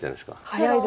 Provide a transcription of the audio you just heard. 早いですね。